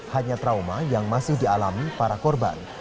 hanya trauma yang masih dialami para korban